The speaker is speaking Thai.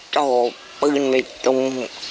กอปืนไปตรง